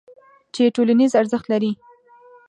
چې ټولنیز ارزښت لري.